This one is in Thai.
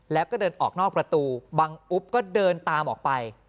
แล้วก็เดินออกนอกประตูบังอุ๊บก็เดินตามออกไป